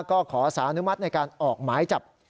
ก็ขอสารอนุมัติในการออกหมายจับ